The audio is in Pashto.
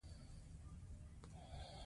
ځینې محصلین د رهبرۍ رول غوره کوي.